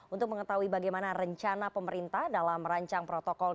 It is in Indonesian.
untuk mengetahui bagaimana rencana pemerintah dalam merancang protokol